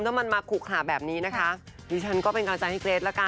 ถ้ามันมาขุกหาแบบนี้นะคะ